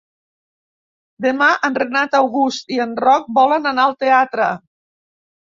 Demà en Renat August i en Roc volen anar al teatre.